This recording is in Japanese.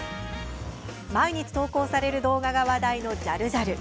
毎日投稿される動画が話題のジャルジャル。